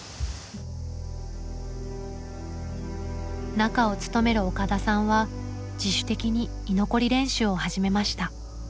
「中」を務める岡田さんは自主的に居残り練習を始めました。